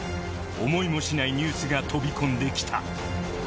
思いもしないニュースが飛び込んできた。